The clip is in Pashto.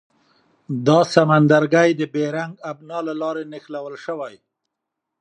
دا سمندرګي د بیرنګ ابنا له لارې نښلول شوي.